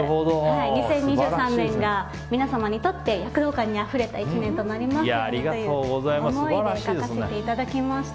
２０２３年が皆様にとって躍動感にあふれた１年となりますようにという思いで書かせていただきました。